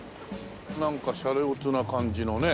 なんかシャレオツな感じのね。